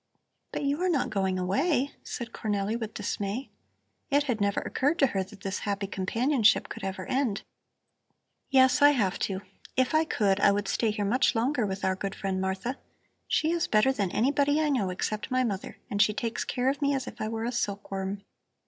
"But you are not going away," said Cornelli with dismay. It had never occurred to her that this happy companionship could ever end. "Yes, I have to. If I could, I would stay here much longer with our good friend Martha. She is better than anybody I know except my mother, and she takes care of me as if I were a silkworm."